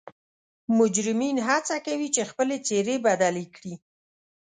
مجرمین حڅه کوي چې خپلې څیرې بدلې کړي